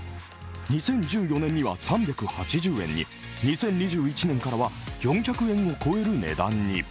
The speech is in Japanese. ２０１４年には３８０円に、２０２１年からは４００円を超える値段に。